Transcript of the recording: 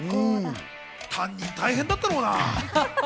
担任、大変だったろうな。